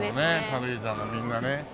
軽井沢のみんなね。